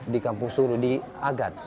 di kampung sulu di agats